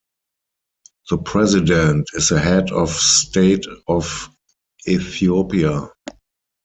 The President is the head of state of Ethiopia.